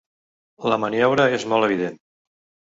La maniobra és molt evident.